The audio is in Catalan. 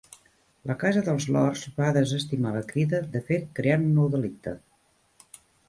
La Casa dels Lords va desestimar la crida, de fet creant un nou delicte.